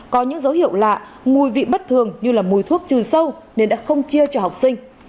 có những dấu hiệu lạ mùi vị bất thường như mùi thuốc trừ sâu nên đã không chia cho học sinh